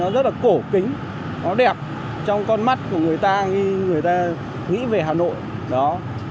nó rất là cổ kính nó đẹp trong con mắt của người ta khi người ta nghĩ về hà nội